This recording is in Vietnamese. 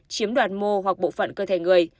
chiếm đoạt mô hoặc bộ phận cơ thể người